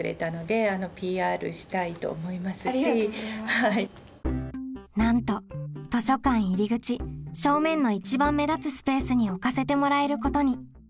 でそれをのなんと図書館入り口正面の一番目立つスペースに置かせてもらえることに。